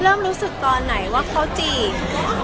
เริ่มรู้สึกตอนไหนว่าเขาจีบ